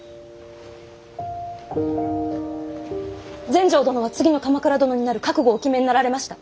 全成殿は次の鎌倉殿になる覚悟をお決めになられました。